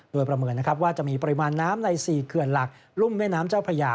โดยประเมินนะครับว่าจะมีปริมาณน้ำใน๔เขื่อนหลักรุ่มแม่น้ำเจ้าพระยา